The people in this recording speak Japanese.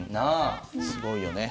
すごいよね。